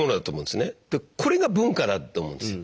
でこれが文化だと思うんですよ。